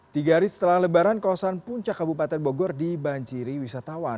tiga hari setelah lebaran kawasan puncak kabupaten bogor dibanjiri wisatawan